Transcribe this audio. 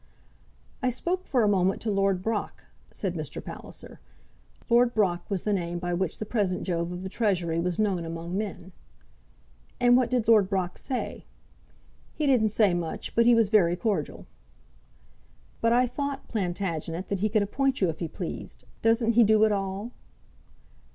"I spoke for a moment to Lord Brock," said Mr. Palliser. Lord Brock was the name by which the present Jove of the Treasury was known among men. "And what did Lord Brock say?" "He didn't say much, but he was very cordial." "But I thought, Plantagenet, that he could appoint you if he pleased? Doesn't he do it all?"